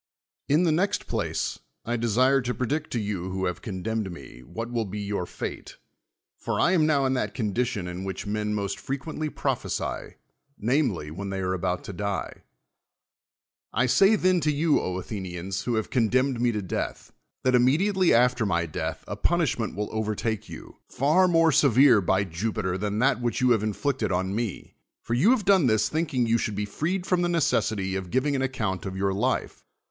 In the next ])lace, I desii'e to predict to you who have condemned me, \vliat will be your fate: for r am now in that condition in which men most freciuently prophesy, namel>', when they arc al)out to die. 1 say then to you, Athenians, who have condemned inc 1o dcnith. that immedi 83 THE WORLD'S FAMOUS ORATIONS ately after iny death a punishinent will overtake you, far more severe, by Jupiter, than that whicli you have inflicted on me. For you have done this thinking you should be freed from the ne cessity of giving an account of your life.